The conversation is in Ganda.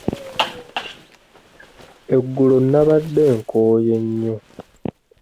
Eggulo nnabadde nkooye nnyo.